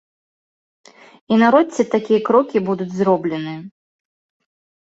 І наўрад ці такія крокі будуць зробленыя.